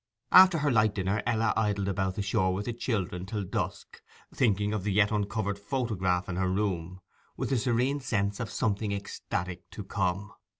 After her light dinner Ella idled about the shore with the children till dusk, thinking of the yet uncovered photograph in her room, with a serene sense of something ecstatic to come.